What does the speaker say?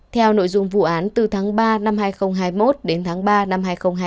theo nội dung vụ án từ tháng ba năm hai nghìn hai mươi một đến tháng ba năm hai nghìn hai mươi hai